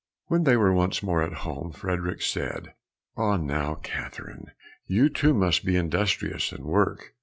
When they were once more at home, Frederick said, "And now, Catherine, you, too, must be industrious and work."